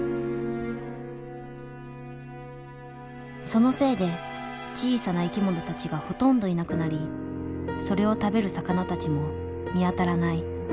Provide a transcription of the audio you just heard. そのせいで小さな生き物たちがほとんどいなくなりそれを食べる魚たちも見当たらない。